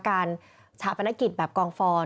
การฉะพนักกิจแบบกองฟอน